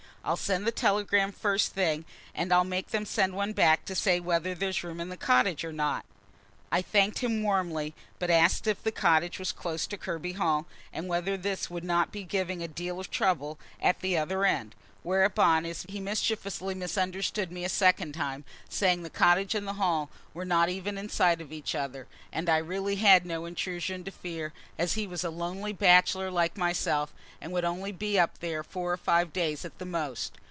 I'll send the telegram first thing, and I'll make them send one back to say whether there's room in the cottage or not." I thanked him warmly, but asked if the cottage was close to Kirby Hall, and whether this would not be giving a deal of trouble at the other end; whereupon he mischievously misunderstood me a second time, saying the cottage and the hall were not even in sight of each other, and I really had no intrusion to fear, as he was a lonely bachelor like myself, and would only be up there four or five days at the most.